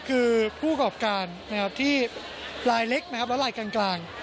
คือผู้ประกอบการที่รายเล็กนะครับและรายกลาง